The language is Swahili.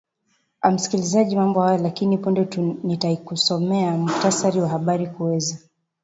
a msikilizaji mambo hayo lakini punde nitakusomea muktasari wa habari kuweza